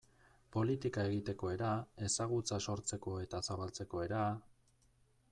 Politika egiteko era, ezagutza sortzeko eta zabaltzeko era...